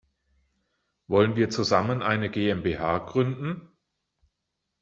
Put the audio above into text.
Wollen wir zusammen eine GmbH gründen?